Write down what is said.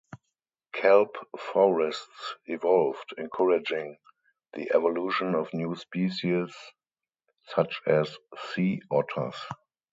Kelp forests evolved, encouraging the evolution of new species, such as sea otters.